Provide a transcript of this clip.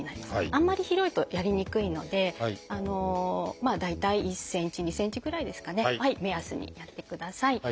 あんまり広いとやりにくいのでまあ大体１ｃｍ２ｃｍぐらいですかね目安にやってください。